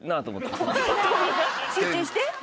集中して！